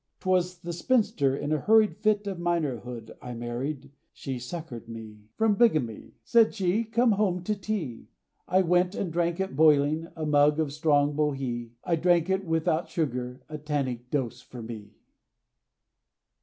'Twas the spinster, in a hurried Fit of minorhood, I married, She succoured me From bigamy, Said she, "Come home to tea!" I went, and drank it boiling, A mug of strong Bohea! I drank it, without sugar, A tannic dose, for me!